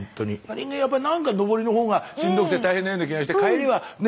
人間やっぱりなんか上りのほうがしんどくて大変なような気がして帰りはね